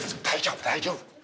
大丈夫大丈夫。